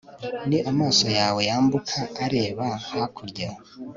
ni amaso yawe yambuka areba hakurya